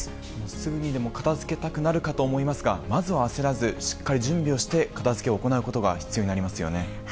すぐにでも片づけたくなるかと思いますが、まずは焦らず、しっかり準備をして、片づけを行うことが必要になりますよね。